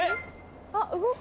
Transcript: あっ動く！